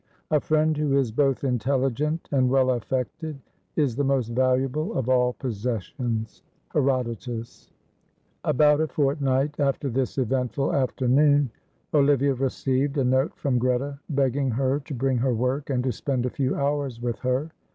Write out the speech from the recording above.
"A friend who is both intelligent and well affected is the most valuable of all possessions." Herodotus. About a fortnight after this eventful afternoon, Olivia received a note from Greta begging her to bring her work and to spend a few hours with her.